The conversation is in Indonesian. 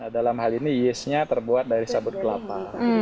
dalam hal ini yesnya terbuat dari sabut kelapa